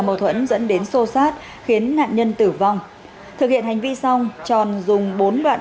mâu thuẫn dẫn đến xô xát khiến nạn nhân tử vong thực hiện hành vi xong tròn dùng bốn đoạn